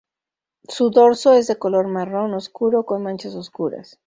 Su dorso es de color marrón oscuro con manchas oscuras.